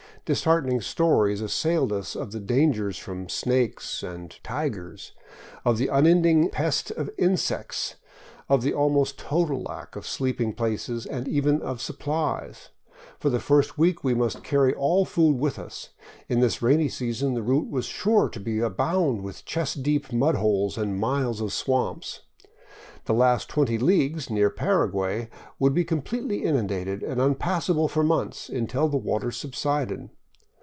Disheartening stories as sailed us of the dangers from snakes and " tigers," of the unending pest of insects, of the almost total lack of sleeping places and even of supplies. For the first week we must carry all food with us; in this rainy season the route was sure to abound with chest deep mud holes and miles of swamps; the last twenty leagues, near the Paraguay, would be completely inundated and impassable for months, until the waters subsided.